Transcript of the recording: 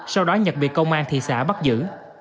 sau đó nhật bị công an thị xã bắt giữ